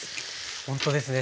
ほんとですね。